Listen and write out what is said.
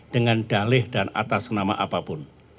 dengan dalih dan atas nama apapun